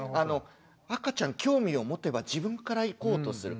赤ちゃん興味を持てば自分から行こうとする。